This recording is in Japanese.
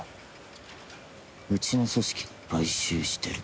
うちの組織が買収してる。